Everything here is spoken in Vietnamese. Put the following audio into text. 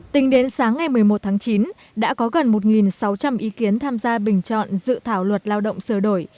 tính đến sáng ngày một mươi một tháng chín đã có gần một sáu trăm linh ý kiến tham gia bình chọn dự thảo luật lao động sửa đổi